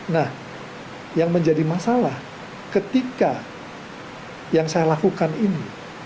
nah yang menjadi masalah ketika yang saya lakukan ini